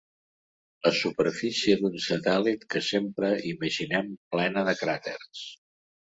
La superfície d'un satèl·lit que sempre imaginem plena de cràters.